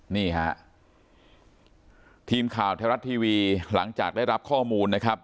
นี่ฮะทีมข่าวไทยรัฐทีวีหลังจากได้รับข้อมูลนะครับ